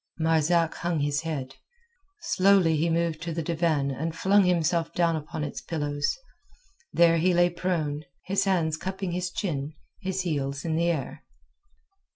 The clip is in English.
Marzak hung his head; slowly he moved to the divan and flung himself down upon its pillows; there he lay prone, his hands cupping his chin, his heels in the air.